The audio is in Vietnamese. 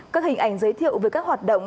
các hình ảnh giới thiệu về các hoạt động